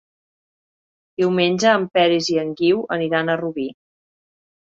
Diumenge en Peris i en Guiu aniran a Rubí.